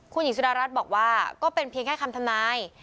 คุณหญิงสุดารัฐบอกว่าก็เป็นเพียงแค่คำทำนาย